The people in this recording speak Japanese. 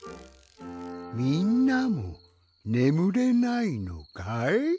みんなもねむれないのかい？